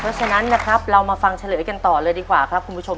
เพราะฉะนั้นนะครับเรามาฟังเฉลยกันต่อเลยดีกว่าครับคุณผู้ชม